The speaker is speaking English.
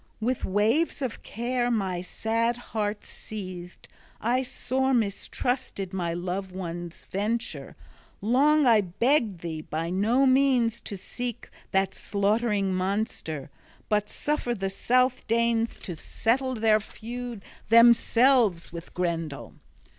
With waves of care my sad heart seethed; I sore mistrusted my loved one's venture: long I begged thee by no means to seek that slaughtering monster, but suffer the South Danes to settle their feud themselves with Grendel.